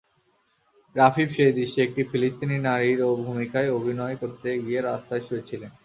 রাফিফ সেই দৃশ্যে একটি ফিলিস্তিনি নারীর ভূমিকায় অভিনয় করতে গিয়ে রাস্তায় শুয়েছিলেন।